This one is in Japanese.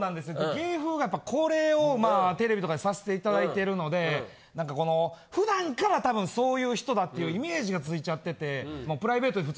芸風がこれをテレビとかでさしていただいてるので何かこの普段から多分そういう人だっていうイメージがついちゃってて。